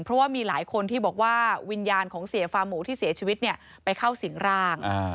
เพราะว่ามีหลายคนที่บอกว่าวิญญาณของเสียฟาร์หมูที่เสียชีวิตไปเข้าสิงร่าง